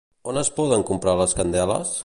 On es poden comprar les candeles?